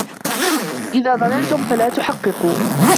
إذَا ظَنَنْتُمْ فَلَا تُحَقِّقُوا